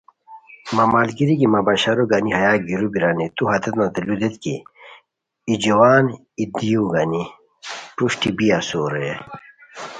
مہ ملگیری کی مہ بشارو گانی ہیا گیرو بیرانی تو ہتیتانتے لودیت کی ای جوان ای دیوؤ گانی پروشٹی بی اسور رے